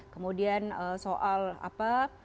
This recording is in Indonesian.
kemudian soal apa